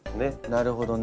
なるほどね。